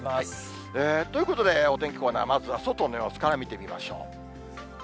ということで、お天気コーナー、まずは外の様子から見てみましょう。